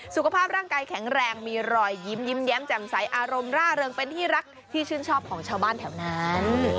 สุขภาพร่างกายแข็งแรงมีรอยยิ้มยิ้มแย้มแจ่มใสอารมณ์ร่าเริงเป็นที่รักที่ชื่นชอบของชาวบ้านแถวนั้น